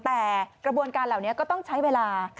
แต่กระบวนการเหล่านี้ก็ต้องใช้เวลา